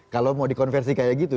kalau mau dikonversi kayak gitu